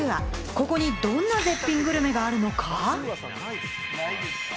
ここにどんな絶品グルメがあるのか？